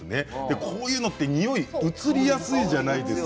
こういうのって、においが移りやすいんじゃないですか。